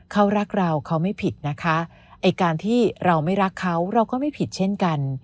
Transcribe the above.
เขารักเราเขาไม่ผิดนะคะไอ้การที่เราไม่รักเขาเราก็ไม่ผิดเช่นกัน